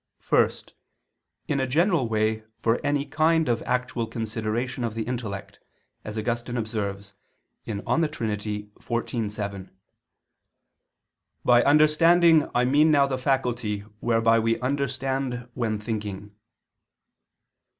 First, in a general way for any kind of actual consideration of the intellect, as Augustine observes (De Trin. xiv, 7): "By understanding I mean now the faculty whereby we understand when thinking."